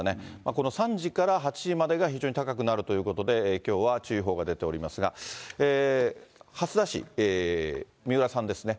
この３時から８時までが非常に高くなるということで、きょうは注意報が出ておりますが、蓮田市、三浦さんですね。